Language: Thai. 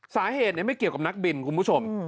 สาเหตุไม่เกี่ยวกับนักบินคุณผู้ชม